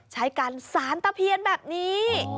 ใช้การสารตะเพียนแบบนี้